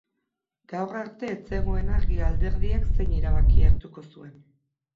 Gaur arte ez zegoen argi alderdiak zein erabaki hartuko zuen.